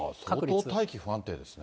相当、大気、不安定ですね。